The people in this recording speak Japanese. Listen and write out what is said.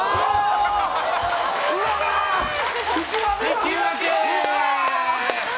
引き分け！